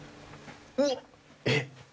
うおっ！えっ。